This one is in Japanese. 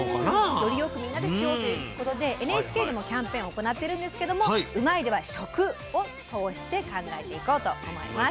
よりよくみんなでしようということでＮＨＫでもキャンペーンを行ってるんですけども「うまいッ！」では食を通して考えていこうと思います。